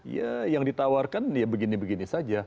ya yang ditawarkan ya begini begini saja